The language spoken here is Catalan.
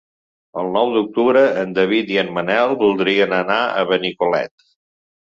El nou d'octubre en David i en Manel voldrien anar a Benicolet.